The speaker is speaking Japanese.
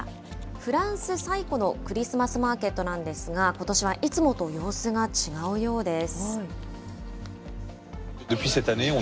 フランス最古のクリスマスマーケットなんですが、ことしはいつもと様子が違うようです。